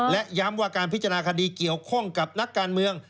และย้ำว่าการพิจารณาคดีเกี่ยวข้องกับนักการเมือง